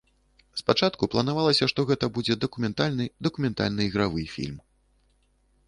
Спачатку планавалася, што гэта будзе дакументальны, дакументальна-ігравы фільм.